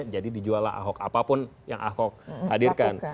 jadi dijuallah ahok apapun yang ahok hadirkan